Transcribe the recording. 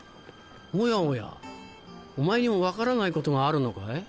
おやおやお前にも分からないことがあるのかい？